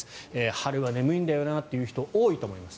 春は眠いんだよなという方多いと思います。